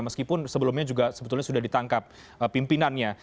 meskipun sebelumnya juga sebetulnya sudah ditangkap pimpinannya